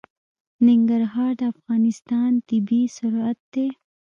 ننګرهار د افغانستان طبعي ثروت دی.